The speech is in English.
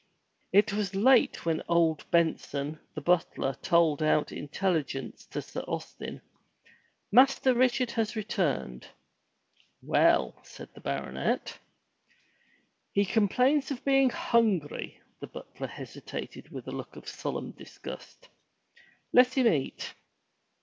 It was late when old Benson the butler tolled out intelligence to Sir Austin, "Master Richard has returned." "Well?" said the baronet. 234 FROM THE TOWER WINDOW "He complains of being hungry/' the butler hesitated with a look of solemn disgust. Let him eat."